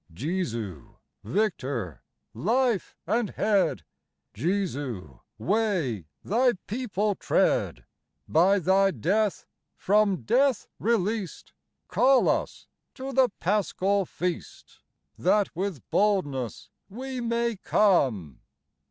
Jesu, Victor, Life, and Head ; Jesu, Way Thy people tread ; By Thy death from death released, Call us to the Paschal Feast, That with boldness we may come.